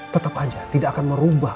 tetap aja tidak akan merubah